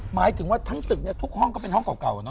หมายถึงว่าทั้งตึกทุกห้องก็เป็นห้องเก่า